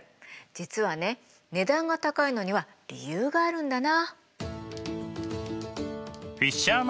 実はね値段が高いのには理由があるんだな。